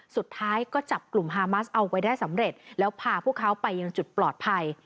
สุดท้ายก็จับกลุ่มฮามัสเอาไว้ได้สำเร็จแล้วพาพวกเขาไปยังจุดปลอดภัย